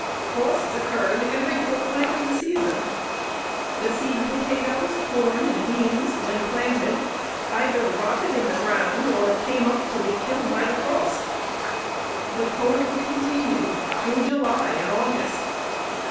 Frosts occurred every fortnight of the season. The seed potatoes, corn, and beans, when planted, either rotted in the ground or came up to be killed by the frosts. The cold continued through July and August.